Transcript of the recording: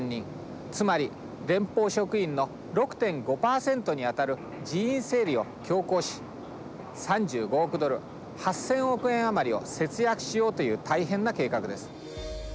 つまり連邦職員の６．５％にあたる人員整理を強行し３５億ドル８，０００億円余りを節約しようという大変な計画です。